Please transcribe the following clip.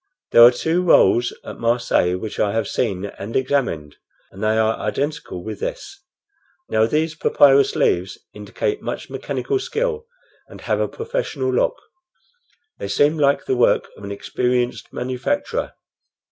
There are two rolls at Marseilles which I have seen and examined, and they are identical with this. Now these papyrus leaves indicate much mechanical skill, and have a professional look. They seem like the work of an experienced manufacturer."